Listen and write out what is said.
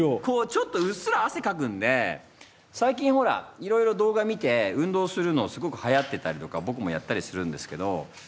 こうちょっとうっすらあせかくんで最近ほらいろいろ動画見て運動するのすごくはやってたりとかぼくもやったりするんですけど。